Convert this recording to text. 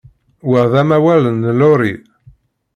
Wa d amawal n Laurie.